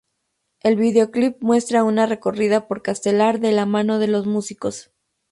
El videoclip muestra una recorrida por Castelar de la mano de los músicos.